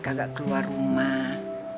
kagak keluar rumah